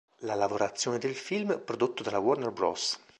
La lavorazione del film, prodotto dalla Warner Bros.